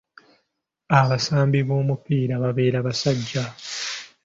Abasambi b'omupiira babeera basajja.